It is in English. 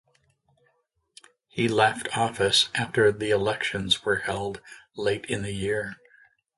He left office after the elections were held late in the year.